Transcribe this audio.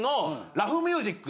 『ラフ＆ミュージック』。